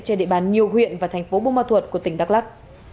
trên địa bàn nhiều huyện và thành phố bô ma thuật của tỉnh đắk lắc